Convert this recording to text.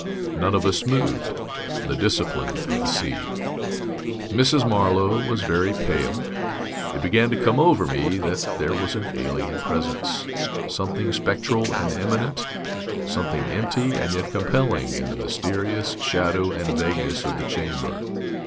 None of us moved. The discipline of the sea! Mrs. Marlow was very pale. It began to come over me that there was an alien presence, something spectral and immanent, something empty and yet compelling, in the mysterious shadow and vagueness of the chamber.